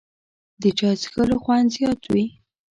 د چای څښلو خوند زیات وي